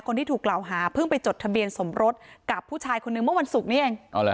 คนที่ถูกกล่าวหาเพิ่งไปจดทะเบียนสมรสกับผู้ชายคนนึงเมื่อวันศุกร์นี้เอง